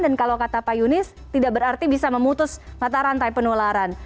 dan kalau kata pak yunis tidak berarti bisa memutus mata rantai penularan